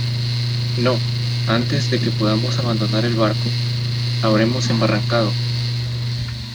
no, antes de que podamos abandonar el barco , habremos embarrancado ;